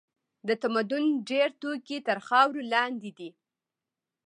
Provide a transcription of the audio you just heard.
د تمدن ډېر توکي تر خاورو لاندې دي.